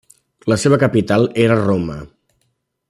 La seva capital era Roma.